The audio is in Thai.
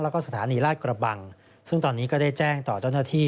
แล้วก็สถานีราชกระบังซึ่งตอนนี้ก็ได้แจ้งต่อเจ้าหน้าที่